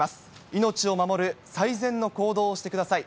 命を守る最善の行動をしてください。